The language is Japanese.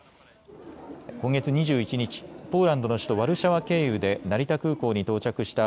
今月２１日、ポーランドの首都ワルシャワ経由で成田空港に到着した